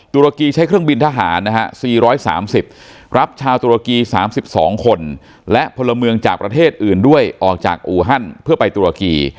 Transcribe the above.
ตุรกีใช้เครื่องบินทหารนะฮะ๔๓๐รับชาวตุรกี๓๒คนและพลเมืองจากประเทศอื่นด้วยออกจากอูฮันเพื่อไปตุรกี